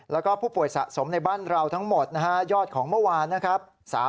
แล้วก็ผู้ป่วยสะสมในบ้านเราทั้งหมดนะฮะยอดของเมื่อวานนะครับ